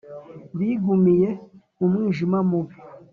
bigumiye mu mwijima mubi.